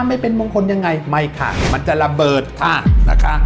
ไม่เป็นมงคลยังไงไม่ค่ะมันจะระเบิดค่ะนะคะ